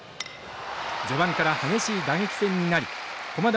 序盤から激しい打撃戦になり駒大